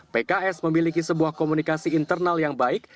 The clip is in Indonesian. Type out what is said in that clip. pks memiliki sebuah komunikasi internal yang baik